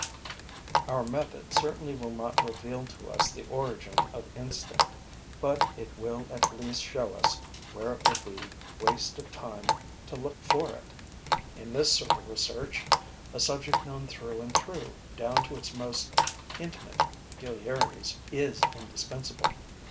Our method certainly will not reveal to us the origin of instinct; but it will at least show us where it would be waste of time to look for it. In this sort of research, a subject known through and through, down to its most intimate peculiarities, is indispensable.